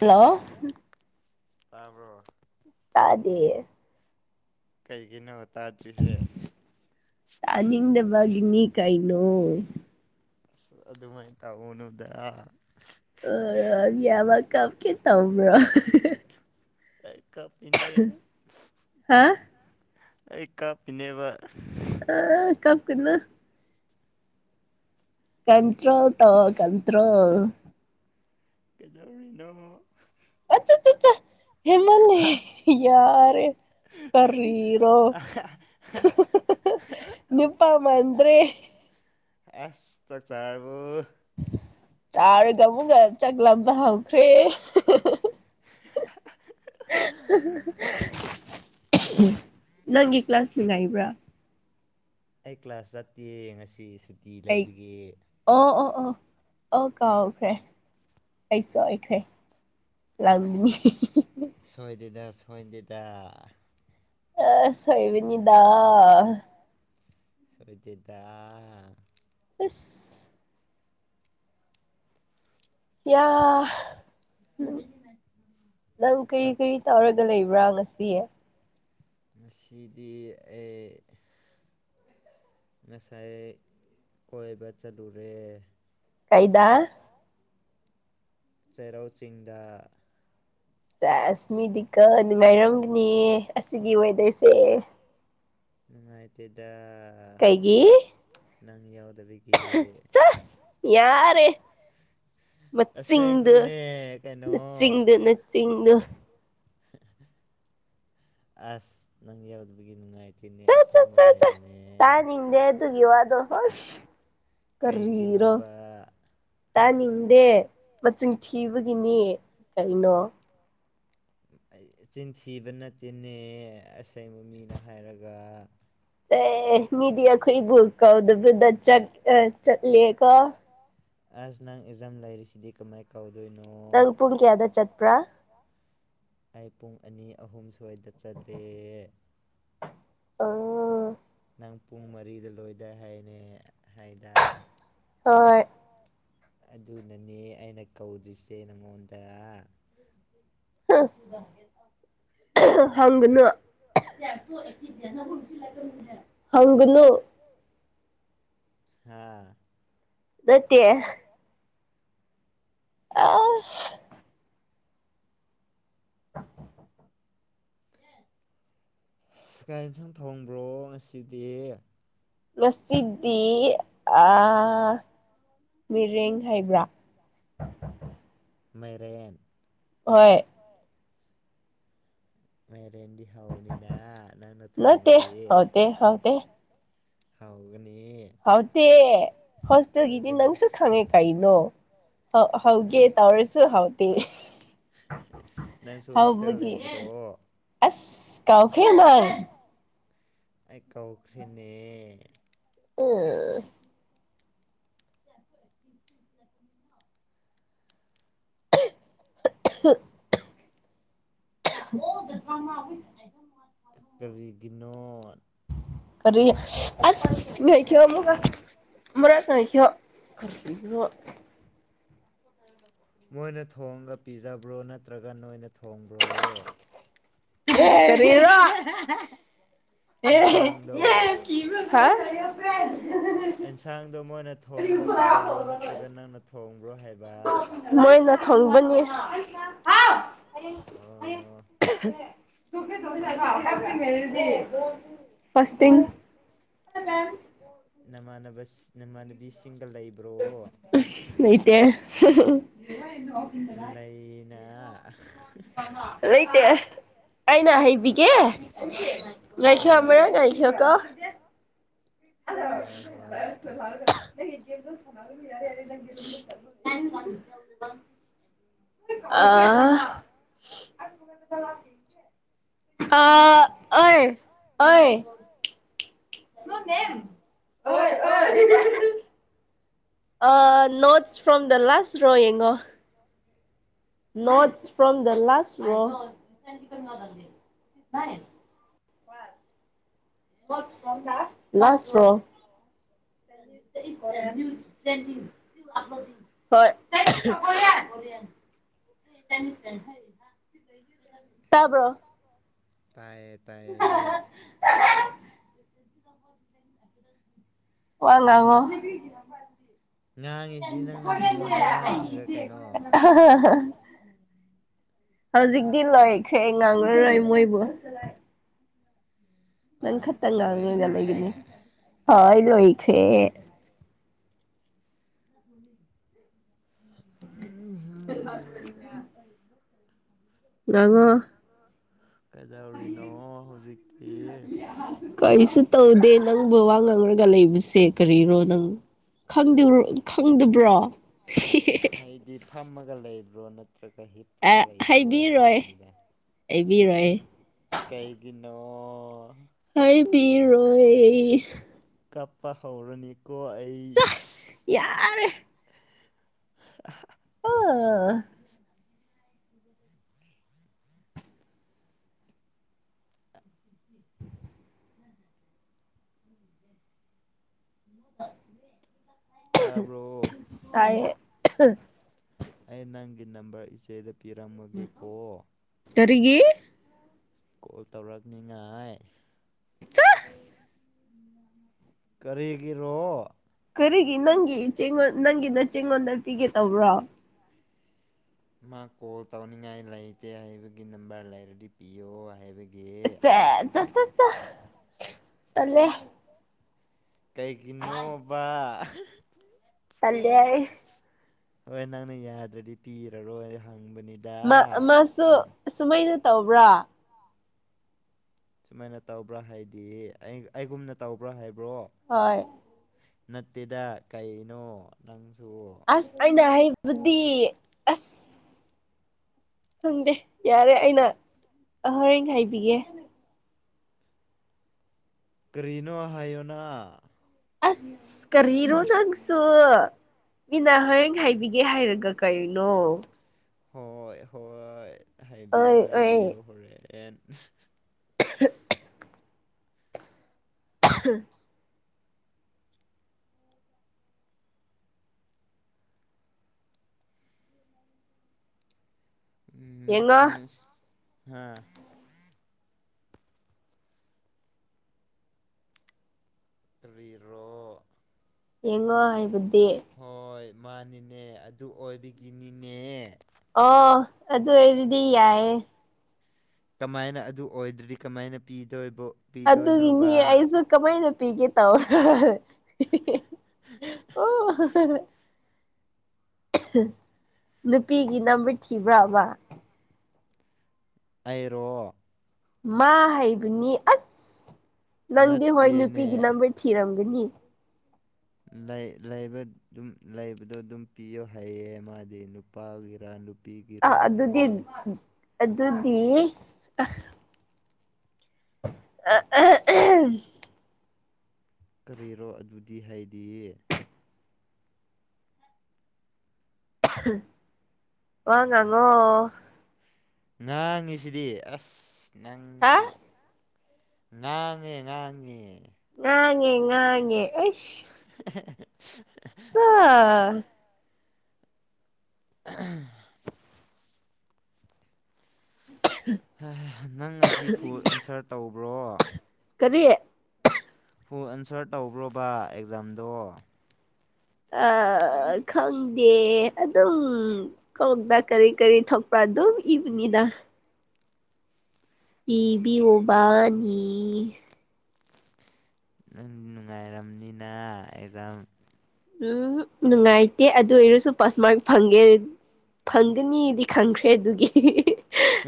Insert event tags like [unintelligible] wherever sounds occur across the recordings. Hello ꯇꯕꯔꯣ ꯇꯥꯗꯦ ꯀꯩꯒꯤꯅꯣ ꯇꯥꯗ꯭ꯔꯤꯁꯦ ꯇꯥꯅꯤꯡꯗꯕꯒꯤꯅꯤ ꯀꯩꯅꯣ ꯑꯁ ꯑꯗꯨꯃꯥꯏꯅ ꯇꯧꯅꯗ ꯑꯣ ꯌꯥꯕ ꯀꯞꯀꯦ ꯇꯧꯕ꯭ꯔꯣ ꯑꯩ ꯀꯥꯞꯄꯤꯅꯦ ꯑꯩ ꯀꯥꯞꯄꯤꯅꯦꯕ ꯑ ꯀꯞꯀꯅꯨ ꯀꯟꯇ꯭ꯔꯣꯜ ꯇꯧ ꯀꯟꯇ꯭ꯔꯣꯜ ꯀꯩꯗꯧꯔꯤꯅꯣ ꯆ [unintelligible] ꯍꯦꯃꯅꯤ ꯌꯥꯔꯦ ꯀꯔꯔꯣ ꯑ [unintelligible] ꯅꯨꯄꯥꯃꯟꯗ꯭ꯔꯦ ꯑꯁ ꯆꯥꯛ ꯆꯥꯔꯕꯣ ꯆꯥꯔꯒ ꯑꯃꯨꯛꯒ ꯆꯥꯛꯂꯝꯕ ꯍꯧꯈ꯭ꯔꯦ ꯅꯪꯒꯤ ꯀ꯭ꯂꯥꯁ ꯅꯨꯡꯉꯥꯏꯕ꯭ꯔꯥ ꯑꯩ ꯀ꯭ꯂꯥꯁ ꯆꯠꯇꯦ ꯉꯁꯤ ꯁꯨꯇꯤ ꯂꯩꯕꯒꯤ ꯑꯣ ꯑꯣ ꯑꯣ ꯑꯣ ꯀꯥꯎꯈ꯭ꯔꯦ ꯑꯩꯁꯨ ꯁꯣꯏꯈ꯭ꯔꯦ ꯂꯥꯛꯅꯤ [unintelligible] ꯁꯣꯏꯗꯦꯗ ꯁꯣꯏꯗꯦꯗ ꯑ ꯁꯣꯏꯕꯅꯤꯗ ꯁꯣꯏꯗꯦꯗ ꯑꯁ ꯌꯥ ꯅꯪ ꯀꯔꯤ ꯀꯔꯤ ꯇꯧꯔꯒ ꯂꯩꯕ꯭ꯔꯥ ꯉꯁꯤ ꯉꯁꯤꯗꯤ ꯑꯩ ꯉꯁꯥꯏ ꯀꯣꯏꯕ ꯆꯠꯂꯨꯔꯦ ꯀꯩꯗ ꯆꯩꯔꯧ ꯆꯤꯡꯗ ꯆꯥꯁꯃꯤꯗꯤꯀꯣ ꯅꯨꯡꯉꯥꯏꯔꯝꯒꯅꯤꯌꯦ ꯑꯁꯤꯒꯤ ꯋꯦꯗꯔꯁꯦ ꯅꯨꯡꯉꯥꯏꯇꯦꯗ ꯅꯪ ꯌꯥꯎꯗꯕꯤ ꯆ ꯌꯥꯔꯦ ꯃꯆꯤꯡꯗ ꯅꯠꯆꯤꯡꯗ ꯅ ꯆꯤꯡꯗ ꯑꯁ ꯅꯪ ꯌꯥꯎꯗꯕꯒꯤ ꯅꯨꯡꯉꯥꯏꯇꯦ ꯇꯤꯅꯤ ꯑꯁꯦꯡꯕ ꯍꯥꯏꯕꯅꯦ ꯅꯪꯒꯤ ꯋꯥꯗꯣ ꯑꯁ ꯀꯔꯤꯔꯣ ꯇꯥꯅꯤꯡꯗꯦ ꯃꯆꯤꯟ ꯊꯤꯕꯒꯤꯅꯦ ꯀꯩꯅꯣ ꯆꯤꯟꯊꯤꯕ ꯅꯠꯇꯦꯅꯦ ꯑꯁꯦꯡꯕ ꯃꯤꯅ ꯍꯥꯏꯔꯒ ꯑꯦ ꯃꯤꯗꯤ ꯑꯩꯈꯣꯏꯕꯨ ꯀꯧꯗꯕꯤꯗꯥ ꯆꯠꯂꯦꯀꯣ ꯑꯁ ꯅꯪ ꯑꯦꯛꯖꯥꯝ ꯂꯩꯔꯤꯁꯤꯗꯤ ꯀꯃꯥꯏ ꯀꯧꯗꯣꯏꯅꯣ ꯀꯌꯥꯗ ꯆꯠꯄ꯭ꯔꯥ ꯑꯩ ꯄꯨꯡ ꯑꯅꯤ ꯑꯍꯨꯝ ꯁꯋꯥꯏꯗ ꯆꯠꯂꯦ ꯑꯥ ꯅꯪ ꯄꯨꯡ ꯃꯔꯤꯗ ꯂꯣꯏꯗꯥꯏ ꯍꯥꯏꯅꯦ ꯍꯥꯏꯗꯥꯏ ꯍꯣꯏ ꯑꯗꯨꯅꯅꯦ ꯑꯩꯅ ꯀꯧꯗ꯭ꯔꯤꯁꯦ ꯅꯪꯉꯣꯟꯗ ꯑꯁ ꯍꯪꯒꯥꯅꯨ ꯍꯪꯒꯥꯅꯨ ꯍꯥꯥ ꯅꯠꯇꯦ ꯑꯥꯁ ꯀꯩ ꯁꯥꯡ ꯊꯣꯡꯕ꯭ꯔꯣ ꯉꯁꯤꯗꯤ ꯉꯁꯤꯗꯤ ꯑꯥ ꯃꯤꯔꯦꯟ ꯍꯥꯏꯕ꯭ꯔꯥ ꯃꯥꯏꯔꯦꯟ ꯍꯣꯏ ꯃꯥꯔꯦꯟꯗꯤ ꯍꯥꯎꯒꯅꯤꯗꯥ ꯅꯪꯅ ꯊꯣꯡꯉꯥꯗꯤ ꯍꯥꯎꯒꯅꯤ ꯍꯥꯎꯇꯦ ꯍꯣꯁꯇꯦꯜꯒꯤꯗꯤ ꯅꯪꯁꯨ ꯈꯪꯉꯦ ꯀꯩꯅꯣ ꯍꯥꯎꯒꯦ ꯇꯧꯔꯥꯁꯨ ꯔꯁꯨ ꯍꯥꯎꯇꯦ ꯍꯥꯎꯕꯒꯤ ꯑꯁ ꯀꯥꯎꯈꯔꯦ ꯅꯪ ꯑꯩ ꯀꯥꯎꯈꯔꯦꯅꯦ ꯎꯝ [inaudible] [inaudible] ꯀꯔꯤꯒꯤꯅꯣ ꯀꯔꯤ ꯑꯁ ꯉꯥꯏꯈꯣ ꯑꯃꯨꯛꯔꯛ ꯉꯥꯏꯈꯣ [inaudible] ꯃꯣꯏꯅ ꯊꯣꯡꯉꯥ ꯄꯤꯖꯕ꯭ꯔꯣ ꯅꯠꯇ꯭ꯔꯒꯥ ꯅꯣꯏꯅ ꯊꯣꯡꯕ꯭ꯔꯣ ꯀꯔꯤꯔꯣ [inaudible] ꯍꯥ [inaudible] ꯑꯦꯟꯁꯥꯡꯗꯣ ꯃꯣꯏꯅ ꯊꯣꯡꯉꯥ ꯄꯤꯖꯕ꯭ꯔꯣ ꯅꯠꯇ꯭ꯔꯒ ꯅꯪꯅ ꯊꯣꯡꯕ꯭ꯔꯣ ꯍꯥꯏꯕ ꯃꯣꯏꯅ ꯊꯣꯡꯕꯅꯤ ꯑꯣ [inaudible] [inaudible] [inaudible] ꯅꯃꯥꯟꯅꯕ ꯅꯃꯥꯟꯅꯕꯤꯁꯤꯡꯒ ꯂꯩꯕ꯭ꯔꯣ ꯂꯩꯇꯦ ꯂꯩꯇꯦ ꯑꯩꯅ ꯍꯩꯕꯤꯒꯦ ꯉꯥꯏꯈꯣ ꯑꯃꯥꯔꯛ ꯉꯥꯏꯈꯣꯀꯣ [inaudible] [unintelligible] ꯑꯥ ꯑꯥ ꯑꯣꯏ ꯑꯣꯏ [inaudible] [unintelligible] ꯑꯥ ꯅꯣꯠꯁ ꯐ꯭ꯔꯣꯝ ꯗ ꯂꯥꯁ ꯔꯣ ꯌꯦꯡꯉꯣ꯫ ꯅꯣꯠꯁ ꯐ꯭ꯔꯣꯝ ꯗ ꯂꯥꯁ ꯔꯣ [inaudible] ꯂꯥꯁ ꯔꯣ [inaudible] ꯗꯤ [inaudible] ꯍꯣꯏ ꯇꯥꯕ꯭ꯔꯣ ꯇꯥꯏꯌꯦ ꯇꯥꯏꯌꯦ ꯋꯥ ꯉꯥꯡꯉꯣ꯫ [unintelligible] ꯍꯥ ꯍꯥ ꯍꯥ ꯍꯧꯖꯤꯛꯇꯤ ꯂꯣꯏꯈ꯭ꯔꯦ ꯉꯥꯡꯔꯔꯣꯏ ꯃꯣꯏꯕꯨ ꯅꯪ ꯈꯠꯇ ꯉꯥꯡꯉꯒ ꯂꯩꯒꯅꯤ ꯍꯥ ꯂꯣꯏꯈ꯭ꯔꯦ꯫ ꯎꯝ ꯉꯥꯉꯣ ꯀꯩꯗꯧꯔꯤꯅꯣ ꯍꯧꯖꯤꯛꯇꯤ ꯀꯔꯤꯁꯨ ꯇꯧꯗꯦ ꯅꯪꯕꯨ ꯋꯥ ꯉꯥꯡꯔꯒ ꯂꯩꯕꯁꯦ ꯀꯔꯤꯔꯣ ꯅꯪ ꯈꯪꯗꯤꯔꯣ ꯈꯪꯗꯕ꯭ꯔꯣ ꯍꯦ ꯍꯦ ꯍꯥꯏꯗꯤ ꯐꯝꯃꯒ ꯂꯩꯕ꯭ꯔꯣ ꯅꯠꯇ꯭ꯔꯒ ꯍꯤꯞꯄꯒ ꯂꯩꯕ꯭ꯔꯣ ꯍꯥꯏꯃꯤꯗ ꯑꯩꯕꯤꯔꯣꯏꯌꯦ ꯀꯩꯒꯤꯅꯣ꯫ ꯍꯥꯏꯕꯤꯔꯣꯏ꯫ ꯀꯞꯄ ꯍꯧꯔꯅꯤꯀꯣ ꯑꯩ ꯌꯥꯔꯦ ꯑꯑꯥ [inaudible] ꯇꯥꯕ꯭ꯔꯣ ꯇꯥꯏꯌꯦ ꯑꯍꯥ ꯑꯩ ꯅꯪꯒꯤ ꯅꯝꯕꯔ ꯏꯆꯦꯗ ꯄꯤꯔꯝꯃꯒꯦꯀꯣ꯫ ꯀꯔꯤꯒꯤ ꯀꯣꯜ ꯇꯧꯔꯛꯅꯤꯉꯥꯏ꯫ ꯀꯔꯤꯒꯤꯔꯣ ꯀꯔꯤꯒꯤ ꯅꯪꯒꯤ ꯏꯆꯦꯉꯣꯟ ꯅꯪꯒꯤ ꯅꯆꯦ ꯉꯣꯟꯗ ꯄꯤꯒꯦ ꯇꯧꯕ꯭ꯔꯣ꯫ ꯃꯥ ꯀꯣꯜ ꯇꯧꯅꯤꯡꯉꯥꯏ ꯂꯩꯇꯦ ꯍꯥꯏꯕꯒꯤ ꯅꯝꯕꯔ ꯂꯩꯔꯗꯤ ꯄꯤꯌꯣ ꯍꯥꯏꯕꯒꯤ꯫ ꯆꯦ ꯆ ꯆ ꯆ ꯇꯜꯂꯦ ꯀꯩꯒꯤꯅꯣꯕ ꯑꯍꯥ ꯇꯜꯂꯦ ꯑꯩ ꯍꯣꯏ ꯅꯪꯅ ꯌꯥꯗ꯭ꯔꯗꯤ ꯄꯤꯔꯔꯣꯏ ꯍꯪꯕꯅꯤ꯫ ꯃꯥ ꯃꯥꯁꯨ ꯑꯁꯨꯃꯥꯏꯅ ꯇꯧꯕ꯭ꯔꯥ꯫ ꯁꯨꯃꯥꯏꯅ ꯇꯧꯕ꯭ꯔꯥ ꯍꯥꯏꯗꯤ ꯑꯩ ꯑꯩꯒꯨꯝꯅ ꯇꯧꯕ꯭ꯔꯥ ꯍꯥꯏꯕ꯭ꯔꯣ꯫ ꯍꯣꯏ ꯅꯠꯇꯦꯗ ꯀꯩꯅꯣ ꯅꯪꯁꯨ꯫ ꯑꯁ ꯑꯩꯅ ꯍꯥꯏꯕꯗꯤ ꯑꯁ ꯈꯪꯗꯦ ꯌꯥꯔꯦ ꯑꯩꯅ ꯑ ꯍꯔꯦꯡ ꯍꯥꯏꯕꯤꯒꯦ꯫ ꯀꯔꯤꯅꯣ ꯍꯥꯏꯌꯣꯅꯥ꯫ ꯑꯁ ꯀꯔꯤꯔꯣ ꯅꯪꯁꯨ꯫ ꯃꯤꯅ ꯍꯣꯔꯦꯡ ꯍꯥꯏꯕꯤꯒꯦ ꯍꯥꯏꯔꯒ ꯀꯩꯅꯣ꯫ ꯍꯣꯏ ꯍꯣꯏ ꯍꯥꯏꯕꯤꯌꯣ ꯍꯥꯏꯕꯤꯌꯣ ꯍꯣꯔꯦꯟ ꯑꯍꯨ ꯎꯝ ꯍꯨꯁ ꯍꯥ ꯀꯔꯤꯔꯣ ꯌꯦꯡꯉꯣ ꯍꯥꯏꯕꯗꯤ꯫ ꯍꯣꯏ ꯃꯥꯅꯤꯅꯦ ꯑꯗꯨ ꯑꯣꯏꯕꯒꯤꯅꯤꯅꯦ ꯑꯣ ꯑꯗꯨ ꯑꯣꯏꯔꯗꯤ ꯌꯥꯑꯦ ꯀꯃꯥꯏꯅ ꯑꯗꯨ ꯑꯣꯏꯗ꯭ꯔꯤ ꯀꯃꯥꯏꯅ ꯄꯤꯗꯣꯏꯕꯣ ꯑꯗꯨꯒꯤꯅꯦ ꯑꯩꯁꯨ ꯀꯃꯥꯏꯅ ꯄꯤꯒꯦ ꯇꯧꯔ ꯑꯣ ꯅꯨꯄꯤꯒꯤ ꯅꯝꯕꯔ ꯊꯤꯕ꯭ꯔꯥ ꯑꯃ ꯑꯩꯔꯣ ꯃꯥ ꯍꯥꯏꯕꯅꯤ ꯑꯁ ꯅꯪꯗꯤ ꯍꯣꯏ ꯅꯨꯄꯤꯒꯤ ꯅꯝꯕꯔ ꯊꯤꯔꯝꯒꯅꯤ ꯂꯩ ꯂꯩꯕ ꯑꯗꯨꯝ ꯂꯩꯕꯗꯣ ꯑꯗꯨꯝ ꯄꯤꯌꯣ ꯍꯩꯌꯦ ꯃꯥꯗꯤ ꯅꯨꯄꯥꯒꯤꯔꯥ ꯅꯨꯞ ꯑ ꯑꯗꯨꯗꯤ ꯑꯗꯨꯗꯤ ꯑꯁ ꯑ ꯑ [inaudible] ꯀꯔꯤꯔꯣ ꯑꯗꯨꯗꯤ ꯍꯥꯏꯗꯤꯌꯦ ꯋꯥ ꯉꯥꯡꯉꯣ ꯉꯥꯡꯉꯤꯁꯤꯗꯤ ꯑꯁ ꯅꯪꯁꯨ ꯉꯥꯡꯉꯦ ꯉꯥꯡꯉꯦ ꯉꯥꯡꯉꯦ ꯉꯥꯡꯉꯦ ꯑꯩꯁ [inaudible] [inaudible] ꯍꯥ [inaudible] ꯅꯪ ꯉꯁꯤ ꯐꯨꯜ ꯑꯦꯟꯁꯔ ꯇꯧꯕ꯭ꯔꯣ ꯀꯔꯤ ꯐꯨꯜ ꯑꯟꯁꯔ ꯇꯧꯕ꯭ꯔꯣꯕ ꯑꯦꯛꯖꯥꯝꯗꯣ ꯑ ꯈꯪꯗꯦ ꯑꯗꯨꯝ ꯈꯪꯗꯦ ꯀꯔꯤ ꯀꯔꯤ ꯊꯣꯛꯄꯥꯗꯨ ꯏꯕꯅꯤꯗ ꯏꯕꯤꯌꯣꯕꯥꯅꯤ [inaudible] ꯅꯪ ꯅꯨꯡꯉꯥꯏꯔꯝꯅꯤꯗ ꯑꯦꯛꯖꯥꯝ ꯎꯝ ꯅꯨꯡꯉꯥꯏꯇꯦ ꯑꯗꯨ ꯑꯣꯏꯔꯁꯨ ꯄꯥꯁ ꯃꯥꯔꯛ ꯐꯪꯉꯦ ꯐꯪꯒꯅꯤꯗꯤ ꯈꯪꯈ꯭ꯔꯦ ꯑꯗꯨꯒꯤ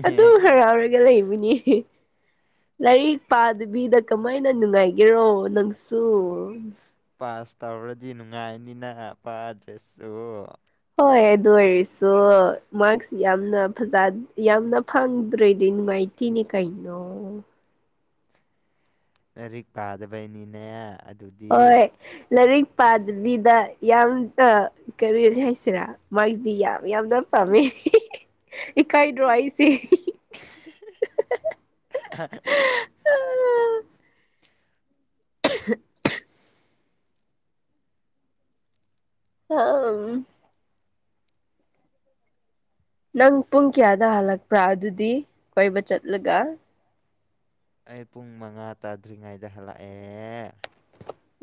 ꯑꯗꯨꯝ ꯍꯔꯥꯎꯔꯒ ꯂꯩꯕꯅꯤ ꯂꯥꯏꯔꯤꯛ ꯄꯥꯗꯕꯤꯗ ꯀꯃꯥꯏꯅ ꯅꯨꯡꯉꯥꯏꯒꯦꯔꯣ ꯅꯪꯁꯨ ꯄꯥꯁ ꯇꯧꯔꯗꯤ ꯅꯨꯡꯉꯥꯏꯅꯤꯅ ꯄꯥꯗ꯭ꯔꯁꯨ ꯍꯣꯏ ꯑꯗꯨ ꯑꯣꯏꯔꯁꯨ ꯃꯥꯔꯛꯁ ꯌꯥꯝꯅ ꯐꯖ ꯌꯥꯝꯅ ꯐꯪꯗ꯭ꯔꯦꯗꯤ ꯅꯨꯡꯉꯥꯏꯇꯦꯅꯦ ꯀꯩꯅꯣ ꯂꯥꯏꯔꯤꯛ ꯄꯥꯗꯕꯩꯅꯤꯅꯦ ꯍꯣꯏ ꯂꯥꯏꯔꯤꯛ ꯄꯥꯗꯕꯤꯗ ꯌꯥꯝꯅ ꯀꯔꯤꯁ ꯍꯥꯏꯁꯤꯔꯥ ꯃꯥꯒꯤꯗꯤ ꯌꯥꯝ ꯌꯥꯝꯅ ꯄꯥꯝꯃꯦ ꯏꯀꯥꯏꯗ꯭ꯔꯣ ꯑꯩꯁꯦ [inaudible] ꯑ [inaudible] [inaudible] ꯑꯝ [inaudible] ꯅꯪ ꯄꯨꯡ ꯀꯌꯥꯗ ꯍꯜꯂꯛꯄ꯭ꯔꯥ ꯑꯗꯨꯗꯤ ꯀꯣꯏꯕ ꯆꯠꯂꯒ ꯑꯩ ꯄꯨꯡ ꯃꯉꯥ ꯇꯥꯗ꯭ꯔꯤꯉꯩꯗ ꯍꯜꯂꯛꯑꯦ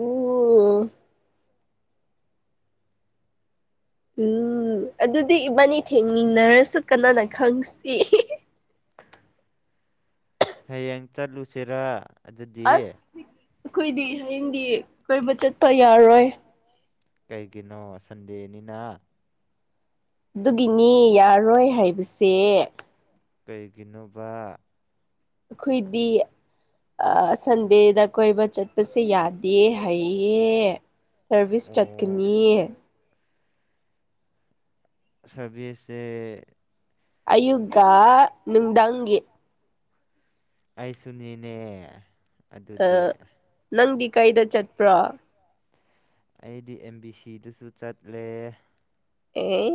ꯎ [inaudible] ꯎꯝ ꯑꯗꯨꯗꯤ ꯏꯕꯥꯅꯤ ꯊꯦꯡꯃꯤꯟꯅꯔꯁꯨ ꯀꯅꯥꯅ ꯈꯪꯒꯅꯤ ꯍꯌꯦꯡ ꯆꯠꯂꯨꯁꯤꯔ ꯑꯁ ꯑꯩꯈꯣꯏꯗꯤ ꯍꯌꯦꯡꯗꯤ ꯀꯣꯏꯕ ꯆꯠꯄ ꯌꯥꯔꯣꯏ ꯀꯩꯒꯤꯅꯣ ꯁꯟꯗꯦꯅꯤꯅ ꯑꯗꯨꯒꯤꯅꯤ ꯌꯥꯔꯣꯏ ꯍꯥꯏꯕꯁꯦ ꯀꯩꯒꯤꯅꯣꯕꯥ ꯑꯈꯣꯏꯗꯤ ꯑ ꯁꯟꯗꯦꯗ ꯀꯣꯏꯕ ꯆꯠꯄꯁꯦ ꯌꯥꯗꯦ ꯍꯩꯌꯦ ꯁꯔꯚꯤꯁ ꯆꯠꯀꯅꯤꯌꯦ ꯁꯔꯚꯤꯁꯁꯦ ꯑꯌꯨꯛꯒꯥ ꯅꯨꯡꯗꯥꯡꯒꯤ ꯑꯩꯁꯨ ꯅꯤꯅꯦ ꯑ ꯅꯪꯗꯤ ꯀꯥꯢꯗ ꯆꯠꯄ꯭ꯔꯥ ꯑꯩꯗꯤ ꯑꯦꯝ ꯕꯤ ꯁꯤ ꯗꯁꯨ ꯆꯠꯂꯦ ꯑꯦ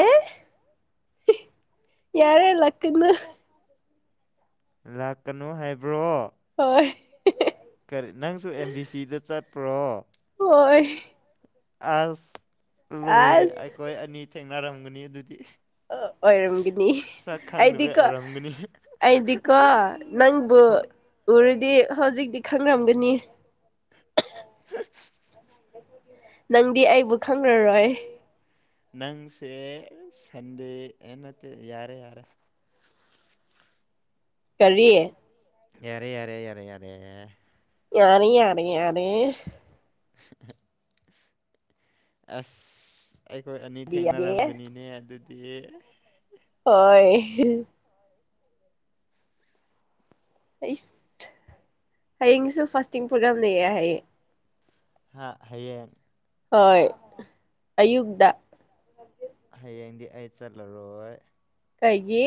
ꯑꯦ ꯌꯥꯔꯦ ꯂꯛꯀꯅꯨ ꯂꯥꯛꯀꯅꯨ ꯍꯥꯏꯕ꯭ꯔꯣ ꯍꯣꯢ ꯀꯔꯤ ꯅꯪꯁꯨ ꯑꯦꯝ ꯕꯤ ꯁꯤꯗ ꯆꯠꯄ꯭ꯔꯣ ꯍꯣꯏ ꯑꯁ ꯂꯣꯏꯔꯦ ꯑꯩꯈꯣꯏ ꯑꯅꯤ ꯊꯦꯡꯅꯔꯝꯒꯅꯤ ꯑꯗꯨꯗꯤ ꯑ ꯑꯣꯏꯔꯝꯒꯅꯤ ꯑꯩꯗꯤꯀꯣ ꯑꯩꯗꯤꯀꯣ ꯅꯪꯕꯨ ꯎꯔꯗꯤ ꯍꯧꯖꯤꯛꯇꯤ ꯈꯪꯔꯝꯒꯅꯤ ꯍ ꯅꯪꯗꯤ ꯑꯩꯕꯨ ꯈꯪꯔꯔꯣꯏ ꯅꯪꯁꯦ ꯁꯟꯗꯦ ꯑꯦ ꯅꯠꯇꯦ ꯌꯥꯔꯦ ꯌꯥꯔꯦ ꯀꯔꯤ ꯌꯥꯔꯦ ꯌꯥꯔꯦ ꯌꯥꯔꯦ ꯌꯥꯔꯦ ꯌꯥꯔꯦ ꯌꯥꯔꯦ ꯌꯥꯔꯦ ꯑꯁ ꯑꯩꯈꯣꯏ ꯑꯅꯤ ꯊꯦꯡꯅꯔꯝꯒꯅꯤꯅꯦ ꯑꯗꯨꯗꯤ ꯍꯣꯏ ꯍ ꯑꯩꯁ ꯍꯌꯦꯡꯁꯨ ꯐꯥꯁꯇꯤꯡ ꯄ꯭ꯔꯣꯒꯥꯝ ꯂꯩꯌꯦ ꯍꯥꯢꯌꯦ ꯍꯥ ꯍꯌꯦꯡ ꯍꯣꯏ ꯑꯌꯨꯛꯗ ꯍꯌꯦꯡꯗꯤ ꯑꯩ ꯆꯠꯂꯔꯣꯏ ꯀꯩꯒꯤ